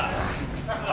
クソ！